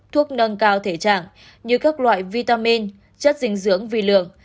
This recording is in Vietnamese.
thuốc nâng cao thể trạng như các loại vitamin chất dinh dưỡng vi lượng